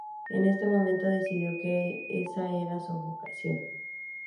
En ese momento decidió que esa era su vocación.